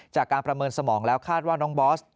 จากการประเมินสมองแล้วคาดว่าน้องบอส